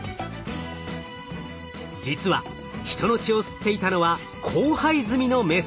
実は人の血を吸っていたのは交配済みのメス。